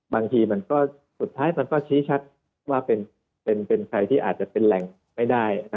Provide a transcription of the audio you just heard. บางทีมันก็สุดท้ายมันก็ชี้ชัดว่าเป็นใครที่อาจจะเป็นแหล่งไม่ได้